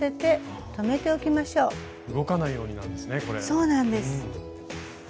そうなんです。